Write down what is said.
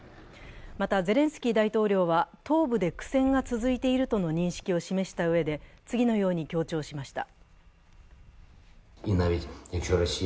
またゼレンスキー大統領は東部で苦戦が続いているとの認識が続いているとしたうえで、次のように強調しました。